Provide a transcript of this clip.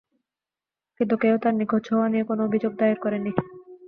কিন্তু কেউ তার নিখোঁজ হওয়া নিয়ে কোন অভিযোগ দায়ের করেন নি।